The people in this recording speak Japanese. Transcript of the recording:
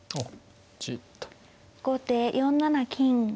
後手４七金。